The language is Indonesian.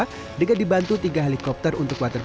kedepannya juga menghasilkan pemadaman api lewat udara